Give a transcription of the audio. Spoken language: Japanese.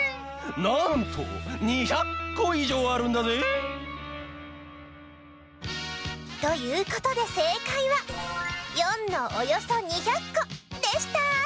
なんと２００こいじょうあるんだぜ！ということでせいかいは④のおよそ２００こでした！